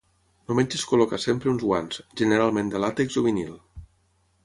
El metge es col·loca sempre uns guants, generalment de làtex o vinil.